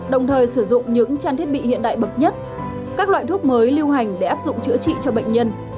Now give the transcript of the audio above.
đồng thời sử dụng những trang thiết bị hiện đại bậc nhất các loại thuốc mới lưu hành để áp dụng chữa trị cho bệnh nhân